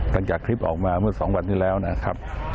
หลังจากคลิปออกมาเมื่อ๒วันที่แล้วนะครับ